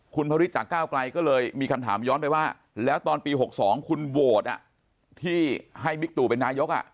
คุณพระฤทธิจากก้าวไกลก็เลยมีคำถามย้อนไปว่าแล้วตอนปี๖๒คุณโหวตที่ให้บิ๊กตู่เป็นนายก